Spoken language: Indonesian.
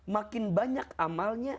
makin banyak amalnya